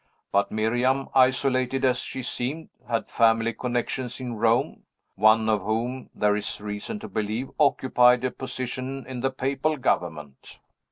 But Miriam, isolated as she seemed, had family connections in Rome, one of whom, there is reason to believe, occupied a position in the papal government.